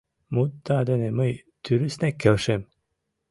Мутда дене мый тӱрыснек келшем!